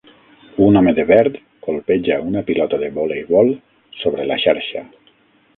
Un home de verd colpeja una pilota de voleibol sobre la xarxa.